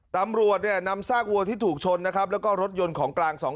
ตำรวจเนี่ยนำซากวัวที่ถูกชนนะครับแล้วก็รถยนต์ของกลาง